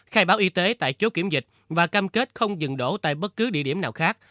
khai báo y tế tại chốt kiểm dịch và cam kết không dừng đổ tại bất cứ địa điểm nào khác